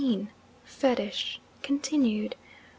FETISH (continued).